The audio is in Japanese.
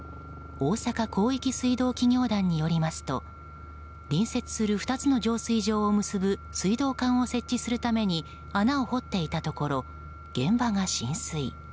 大阪広域水道企業団によりますと隣接する２つの浄水場を結ぶ水道管を設置するために穴を掘っていたところ現場が浸水。